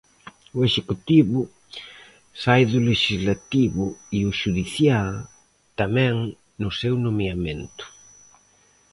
O executivo sae do lexislativo e o xudicial tamén no seu nomeamento.